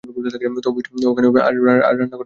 তো, অফিসটা ওখানে হবে, আর, রান্নাঘরটা হবে এখানে।